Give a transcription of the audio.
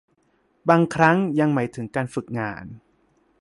บางครั้งยังหมายถึงการฝึกงาน